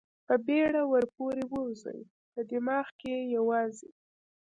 په بېړه ور پورې ووځي، په دماغ کې یې یوازې.